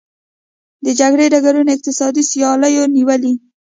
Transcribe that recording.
د جګړې ډګرونه یې اقتصادي سیالیو نیولي.